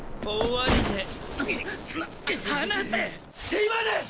今です！！